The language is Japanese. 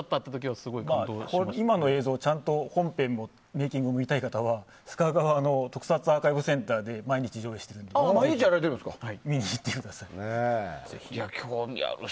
今の映像、ちゃんと本編のメイキングを見たい方は須賀川の特撮アーカイブセンターで毎日上映しているので見に行ってください。